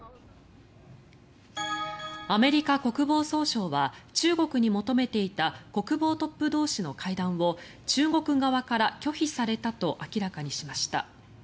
アメリカ国防総省は中国に求めていた国防トップ同士の会談を中国側から拒否されたと明らかにしました。